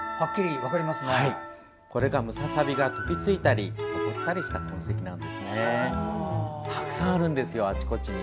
これが、ムササビが飛びついたり登ったりした痕跡なんですね。